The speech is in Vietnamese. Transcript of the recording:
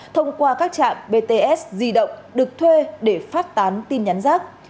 thông qua các trạm bts di động được thuê để phát tán tin nhắn rác